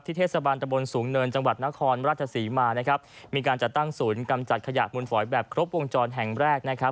เทศบาลตะบนสูงเนินจังหวัดนครราชศรีมานะครับมีการจัดตั้งศูนย์กำจัดขยะมูลฝอยแบบครบวงจรแห่งแรกนะครับ